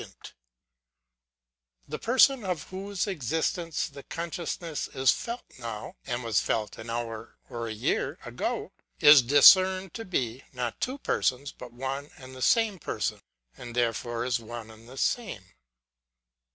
The person, of whose existence the con sciousness is felt now, and was felt an hour or a year ago, is discerned to be, not two persons, but one and the same person ; and therefore is one and the same.